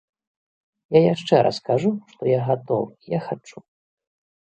Я яшчэ раз кажу, што я гатовы, я хачу.